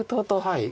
はい。